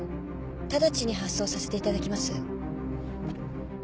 直ちに発送させていただきます。